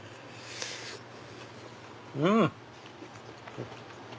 うん！